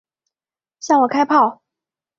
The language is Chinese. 向我开炮！